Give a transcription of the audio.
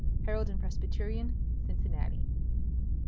Herald and Presbyterian, Cincinnati.